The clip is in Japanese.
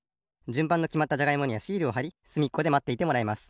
じゅんばんがきまったじゃがいもにはシールをはりすみっこでまっていてもらいます。